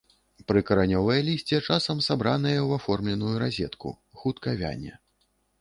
Прыкаранёвае лісце часам сабранае ў аформленую разетку, хутка вяне.